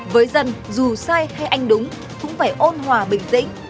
với dân dù sai hay anh đúng cũng phải ôn hòa bình